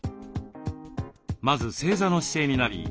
まず正座の姿勢になり